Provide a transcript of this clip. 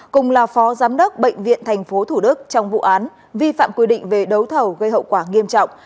cùng là phó giám đốc bệnh viện tp thủ đức trong vụ án vi phạm quy định về đấu thầu gây hậu quả nghiêm trọng